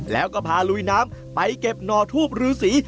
แล้วก็พาลุยน้ำไปเก็บหน่อทูบรือสี